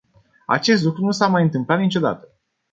Acest lucru nu s-a mai întâmplat niciodată.